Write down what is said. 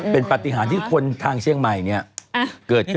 เป็นปฏิหารที่คนทางเชียงใหม่เนี่ยเกิดขึ้น